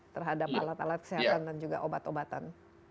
terhadap alat alat kesehatan dan juga obat obatan